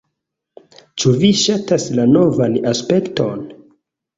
Ĉu vi ŝatas la novan aspekton?